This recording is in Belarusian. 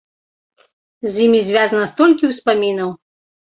З імі звязана столькі ўспамінаў!